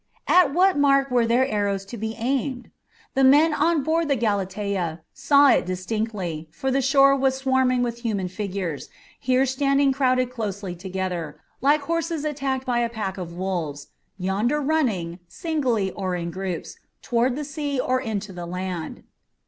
At what mark were their arrows to be aimed? The men on board the Galatea saw it distinctly, for the shore was swarming with human figures, here standing crowded closely together, like horses attacked by a pack of wolves; yonder running, singly or in groups, toward the sea or into the land.